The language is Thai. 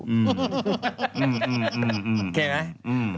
โอเคไหม